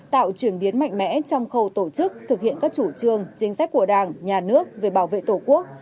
tạo chuyển biến mạnh mẽ trong khâu tổ chức thực hiện các chủ trương chính sách của đảng nhà nước về bảo vệ tổ quốc